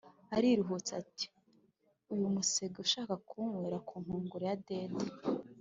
ariruhutsa ati"uyumusega ushaka kunywera kunkongoro ya dede"